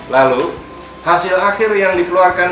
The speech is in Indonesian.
lalu hasil akhir yang dikeluarkan